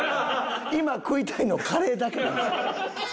今食いたいのカレーだけなんですよ。